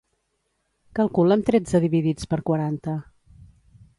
Calcula'm tretze dividits per quaranta.